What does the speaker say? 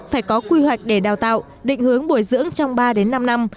phải có quy hoạch để đào tạo định hướng bồi dưỡng trong ba đến năm năm